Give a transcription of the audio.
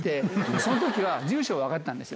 そのときは住所は分かったんですよ。